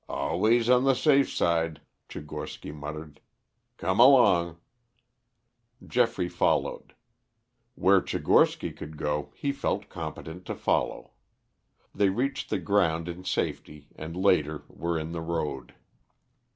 "Always be on the safe side," Tchigorsky muttered. "Come along." Geoffrey followed. Where Tchigorsky could go he felt competent to follow. They reached the ground in safety and later were in the road.